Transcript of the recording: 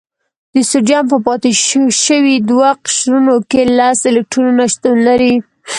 د سوډیم په پاتې شوي دوه قشرونو کې لس الکترونونه شتون لري.